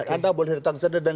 anda boleh datang ke aceh